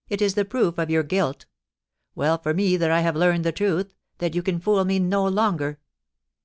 * It is the proof of your guilt Well for me that I have learned the truth — that you can fool me no longer.